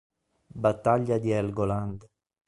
Battaglia di Helgoland